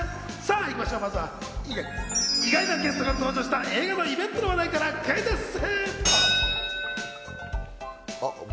まずは意外なゲストが登場した映画のイベントの話題からクイズッス！